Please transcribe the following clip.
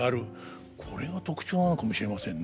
これが特徴なのかもしれませんね。